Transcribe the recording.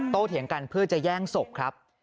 เถียงกันเพื่อจะแย่งศพครับ